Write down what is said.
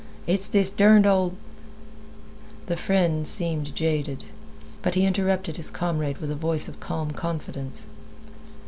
It's this derned old—" The friend seemed jaded, but he interrupted his comrade with a voice of calm confidence.